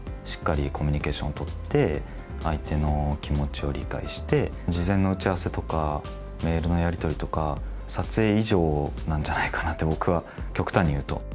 しっかりコミュニケーションを取って、相手の気持ちを理解して、事前の打ち合わせとか、メールのやり取りとか、撮影以上なんじゃないかなって、僕は極端に言うと。